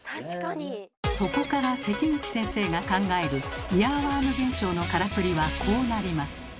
そこから関口先生が考えるイヤーワーム現象のカラクリはこうなります。